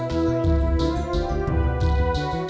saya juga bers dorong